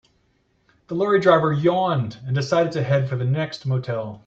The lorry driver yawned and decided to head for the next motel.